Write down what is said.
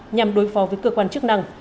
nhằm đối phó với cơ quan chức năng